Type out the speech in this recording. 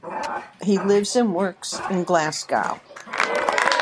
He lives and works in Glasgow.